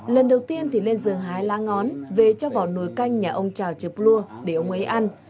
lần đầu tiên thì lên giường hái lá ngón về cho vào nồi canh nhà ông chảo trợp lua để ông ấy ăn